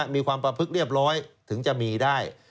มีความประพฤกษ์เรียบร้อยถึงจะมีได้